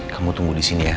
kamu tunggu di sini ya